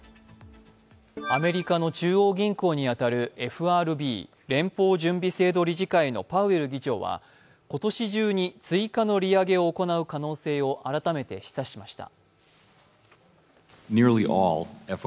アメリカの中央銀行に当たるＦＲＢ＝連邦準備制度理事会のパウエル議長は今年中に追加の利上げを行う可能性を改めて示唆しました。